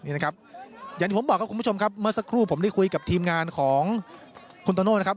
อย่างที่ผมบอกครับคุณผู้ชมครับเมื่อสักครู่ผมได้คุยกับทีมงานของคุณโตโน่นะครับ